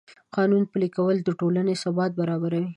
د قانون پلي کول د ټولنې ثبات زیاتوي.